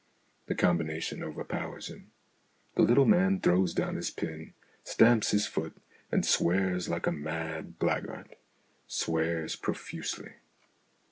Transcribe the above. The combination overpowers him. The little man throws down his pen, stamps his foot, and swears like a mad blackguard swears profusely.